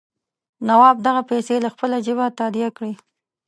نواب دغه پیسې له خپله جېبه تادیه کړي.